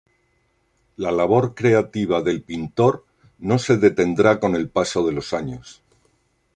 La labor creativa del pintor no se detendrá con el paso de los años.